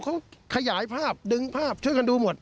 เขาขยายภาพดึงภาพช่วยกันดูหมด